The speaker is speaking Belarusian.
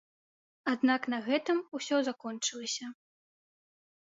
Аднак на гэтым усё закончылася.